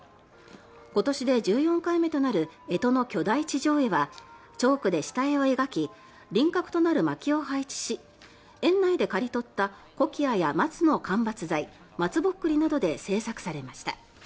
今年で１４回目となる干支の巨大地上絵はチョークでした絵を描き輪郭となるまきを配置し園内で刈り取ったコキアや松の間伐材マツボックリなどで制作されました。